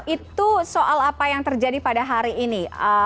itu soal apa yang terjadi pada hari ini